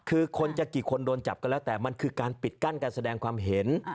คือคนจะกี่คนโดนจับก็แล้วแต่มันคือการปิดกั้นการแสดงความเห็น